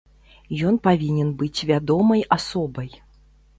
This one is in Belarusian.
Ён павінен быць вядомай асобай.